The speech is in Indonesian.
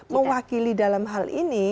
mewakili dalam hal ini